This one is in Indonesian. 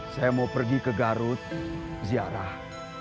saya mau pergi ke garut ziarah